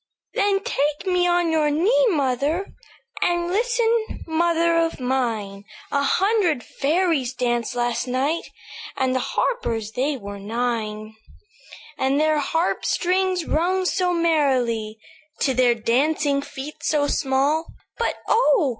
"Then take me on your knee, mother; And listen, mother of mine: A hundred fairies danced last night, And the harpers they were nine;" "And their harp strings rung so merrily To their dancing feet so small; But oh!